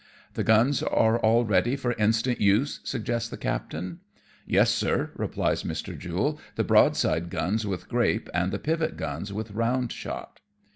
" The guns are all ready for instant use ?" suggests the captain. " YeSj sir," replies Mr. Jule, " the broadside guns with grape, and the pivot guns with round shot."